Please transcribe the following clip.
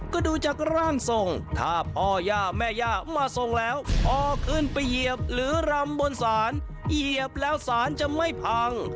ก็ดูจากร่างทรงถ้าพ่อย่าแม่ย่ามาทรงแล้วพอขึ้นไปเหยียบหรือรำบนศาลเหยียบแล้วสารจะไม่พัง